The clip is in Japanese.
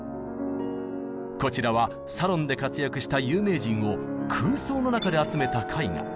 こちらはサロンで活躍した有名人を空想の中で集めた絵画。